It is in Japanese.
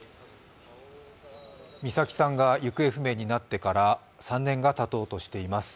美咲さんが行方不明になってから３年がたとうとしています。